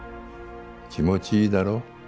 気持ちいいだろ？